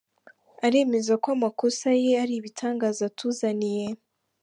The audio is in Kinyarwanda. Aremeza ko amakosa ye ari ibitangaza atuzaniye